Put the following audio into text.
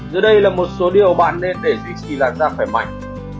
giữa đây là một số điều bạn nên để duy trì đàn da khỏe mạnh